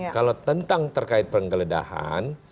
kalau tentang terkait penggeledahan